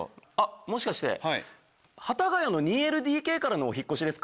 もしかして幡ヶ谷の２ＬＤＫからお引っ越しですか？